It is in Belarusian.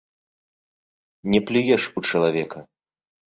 Не плюеш у чалавека.